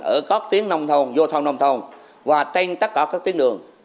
ở các tuyến nông thôn giao thông nông thôn và trên tất cả các tuyến đường